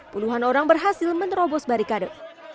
puluhan orang berhasil menerobos barikade